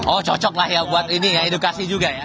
oh cocok lah ya buat ini ya edukasi juga ya